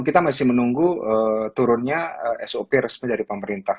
kita masih menunggu turunnya sop resmi dari pemerintah